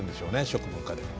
食文化でも。